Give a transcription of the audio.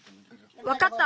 わかった。